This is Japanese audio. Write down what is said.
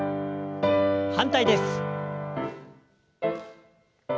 反対です。